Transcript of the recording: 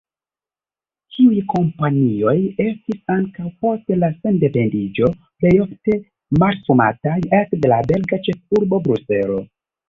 Tiuj kompanioj estis, ankaŭ post la sendependiĝo, plejofte mastrumataj ekde la belga ĉefurbo Bruselo.